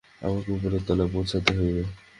আমাকে উপরের তলায় পৌঁছতে হবে।